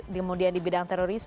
kemudian di bidang teroris